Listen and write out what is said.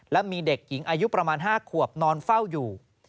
และมีเด็กหญิงอายุประมาณ๕ขวบนอนเฝ้าอยู่